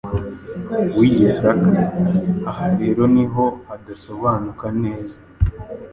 wi Gisaka. Aha rero niho hadasobanuka neza